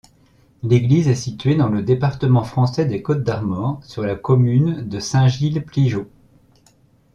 L'église est située dans le département français des Côtes-d'Armor, sur la commune de Saint-Gilles-Pligeaux.